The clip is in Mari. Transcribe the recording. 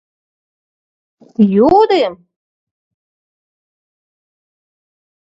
— Йӱдым?